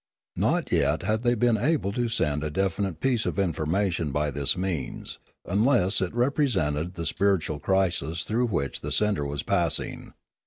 Not yet had they been able to send a definite piece of information by this means, unless it represented the spiritual crisis through which the sender was passing.